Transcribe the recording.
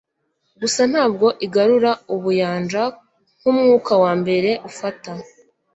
gusa ntabwo igarura ubuyanja nkumwuka wambere ufata